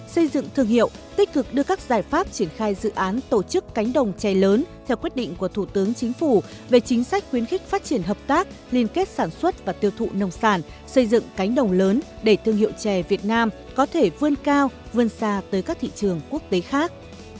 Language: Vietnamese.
xây dựng thương hiệu tích cực đưa các giải pháp triển khai dự án tổ chức cánh đồng chè lớn theo quyết định của thủ tướng chính phủ về chính sách khuyến khích phát triển hợp tác liên kết sản xuất và tiêu thụ nông sản xây dựng cánh đồng lớn để thương hiệu chè việt nam có thể vươn cao vươn xa tới các thị trường quốc tế khác